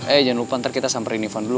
eh jangan lupa ntar kita samperin ivan dulu ya